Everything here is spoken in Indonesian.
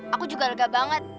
aku juga lega banget